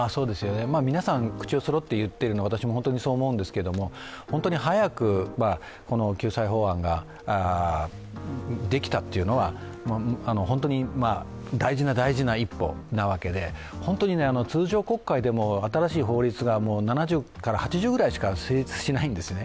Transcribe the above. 皆さん、口をそろって言ってるのは私は本当にそう思うんですけど本当に早く救済法案ができたというのは本当に大事な大事な一歩なわけで、本当に通常国会でも新しい法律が７０８０ぐらいしか成立しないんですね